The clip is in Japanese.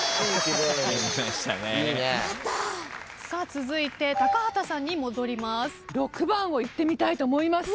続いて高畑さんに戻ります。